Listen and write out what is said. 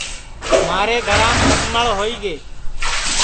مھارے گھرام کھٹݪ ہوئی گے